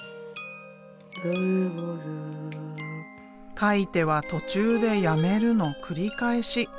描いては途中でやめるの繰り返し。